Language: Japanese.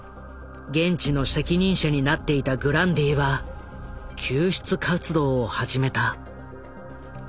現地の責任者になっていたグランディは救出活動を始めた。